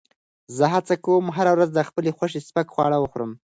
زه هڅه کوم هره ورځ د خپل خوښې سپک خواړه وخورم.